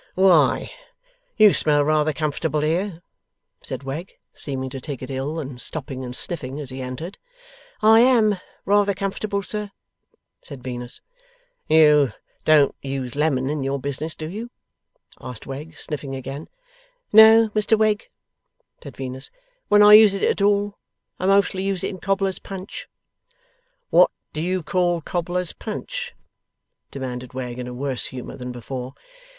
'Why, you smell rather comfortable here!' said Wegg, seeming to take it ill, and stopping and sniffing as he entered. 'I AM rather comfortable, sir,' said Venus. 'You don't use lemon in your business, do you?' asked Wegg, sniffing again. 'No, Mr Wegg,' said Venus. 'When I use it at all, I mostly use it in cobblers' punch.' 'What do you call cobblers' punch?' demanded Wegg, in a worse humour than before.